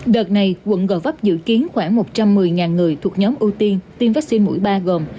đợt này quận gò vấp dự kiến khoảng một trăm một mươi người thuộc nhóm ưu tiên tiêm vaccine mũi ba gồm